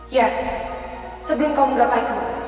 ya sebelum kau menggapai ke